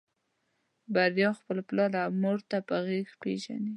بريا خپل پلار او مور په غږ پېژني.